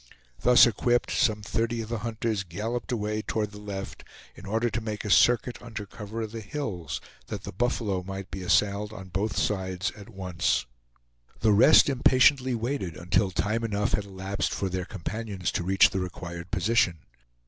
Thus equipped, some thirty of the hunters galloped away toward the left, in order to make a circuit under cover of the hills, that the buffalo might be assailed on both sides at once. The rest impatiently waited until time enough had elapsed for their companions to reach the required position.